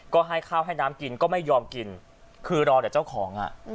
ก็ให้ข้าวให้น้ำกินก็ไม่ยอมกินคือรอแต่เจ้าของอ่ะ